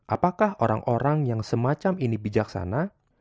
apakah orang orang yang semacam ini bijaksana